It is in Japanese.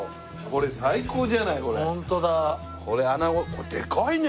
これでかいね！